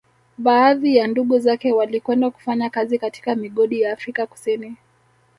Baadhi ya ndugu zake walikwenda kufanya kazi katika migodi ya Afrika Kusini